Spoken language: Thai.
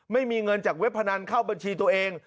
ไม่มีเงินจากเว็บพนันเข้าบัญชีตัวเอง